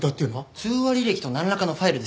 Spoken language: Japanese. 通話履歴となんらかのファイルです。